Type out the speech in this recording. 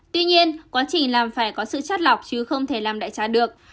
tuy nhiên quá trình làm phải có sự chất lọc chứ không thể làm đại trà được